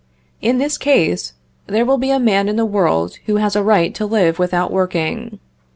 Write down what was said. In this case, there will be a man in the world who has a right to live without working.